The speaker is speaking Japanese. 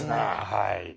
はい。